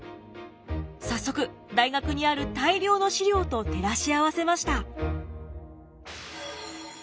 早速大学にある大量の資料と照らし合わせました。